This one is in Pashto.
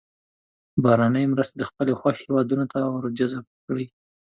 بهرنۍ مرستې د خپلې خوښې هېوادونو ته ور جذب کړي.